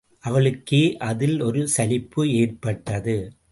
அவளுக்கே அதில் ஒரு சலிப்பு ஏற்பட்டது.